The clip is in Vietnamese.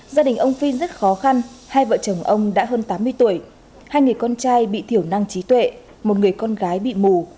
gia đình ông phin rất khó khăn hai vợ chồng ông đã hơn tám mươi tuổi hai người con trai bị thiểu năng trí tuệ một người con gái bị mù